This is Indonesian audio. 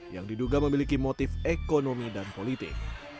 yang diduga memiliki motif ekonomi dan politik